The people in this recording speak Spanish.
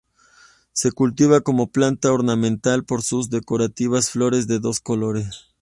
Se cultiva como planta ornamental por sus decorativas flores de dos colores.